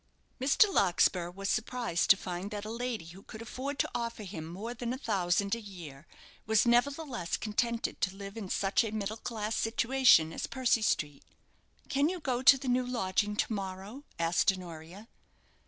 Mr. Larkspur was surprised to find that a lady who could afford to offer him more than a thousand a year, was nevertheless contented to live in such a middle class situation as Percy Street. "Can you go to the new lodging to morrow?" asked Honoria.